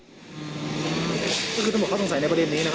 ก็คือตำรวจเขาสงสัยในประเด็นนี้นะครับ